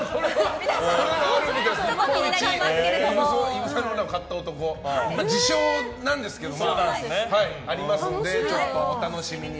日本一イヴ・サンローランを買った男自称なんですけど、ありますのでお楽しみに。